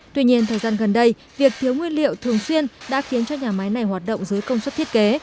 tuy nhiên thời gian gần đây việc thiếu nguyên liệu thường xuyên đã khiến cho nhà máy này hoạt động dưới công suất thiết kế